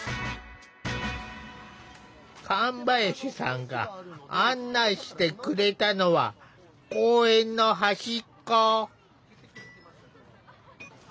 神林さんが案内してくれたのは公園の端っこ。